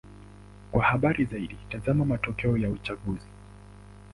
Kwa habari zaidi: tazama matokeo ya uchaguzi.